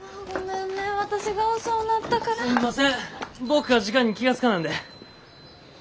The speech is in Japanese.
僕が時間に気が付かなんで。